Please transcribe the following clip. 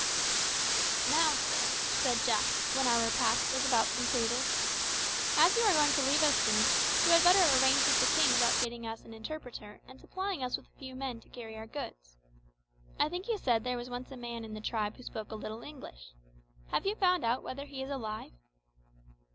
"Now, sir," said Jack, when our repast was about concluded, "as you are going to leave us soon, you had better arrange with the king about getting us an interpreter and supplying us with a few men to carry our goods. I think you said there was once a man in the tribe who spoke a little English. Have you found out whether he is alive?"